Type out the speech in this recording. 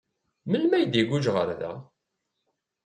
Melmi ay d-iguǧǧ ɣer da?